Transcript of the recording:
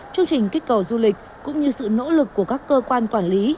chương trình kích cầu du lịch cũng như sự nỗ lực của các cơ quan quản lý